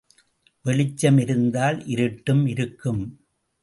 வெளிச்சம் இருந்தால் இருட்டும் இருக்கும்.